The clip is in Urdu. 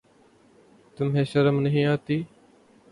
تمہیں شرم نہیں آتی؟